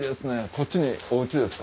こっちにおうちですか？